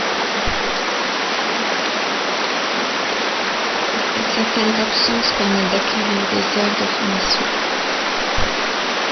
Certaines absences permettent d’acquérir des heures de formation.